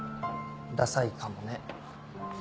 ダサいかもね。